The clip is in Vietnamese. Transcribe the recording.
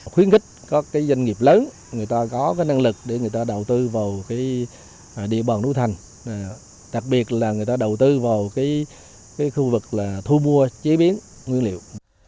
khuyến khích có cái doanh nghiệp lớn người ta có cái năng lực để người ta đầu tư vào cái địa bàn núi thành đặc biệt là người ta đầu tư vào cái khu vực là thu mua chế biến nguyên liệu